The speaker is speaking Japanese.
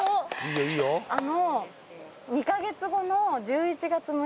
あの。